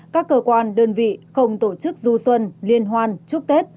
các cơ quan đơn vị không tổ chức du xuân liên hoan chúc tết